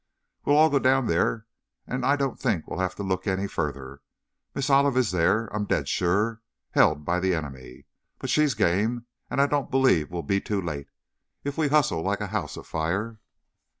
"We'll all go down there, and I don't think we'll have to look any further. Miss Olive is there, I'm dead sure! Held by the enemy! But she's game, and I don't believe we'll be too late, if we hustle like a house afire!"